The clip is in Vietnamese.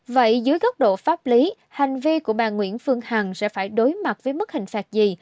vậy dưới góc độ pháp lý hành vi của bà nguyễn phương hằng sẽ phải đối mặt với mức hình phạt gì